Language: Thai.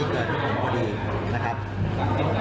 ชุดละ๕ใบ